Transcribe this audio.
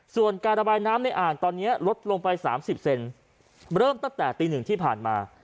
ส่วนการระบายน้ำในอ่างตอนนี้ลดลงไป๓๐เซนเริ่มตั้งแต่ตีหนึ่งที่ผ่านมา